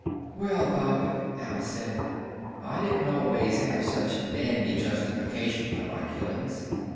"Well, Pop," Alice said, "I didn't always have such dandy justification for my killings.